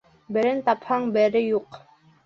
Берен тапһаң, бере юҡ.